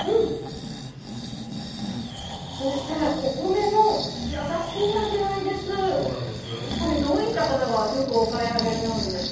そして、お米の優しい味わいです。